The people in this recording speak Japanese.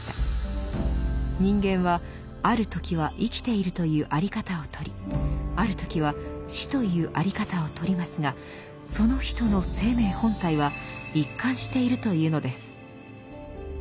人間はある時は生きているというあり方をとりある時は死というあり方をとりますがその人の「生命本体」は一貫しているというのです。